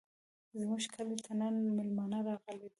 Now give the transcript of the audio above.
زموږ کلي ته نن مېلمانه راغلي دي.